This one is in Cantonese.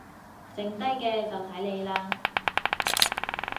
剩低嘅就睇你喇